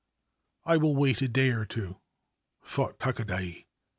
* I will wait a day or two/ thought Takadai.